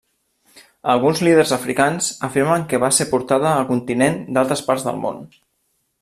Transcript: Alguns líders africans afirmen que va ser portada al continent d'altres parts del món.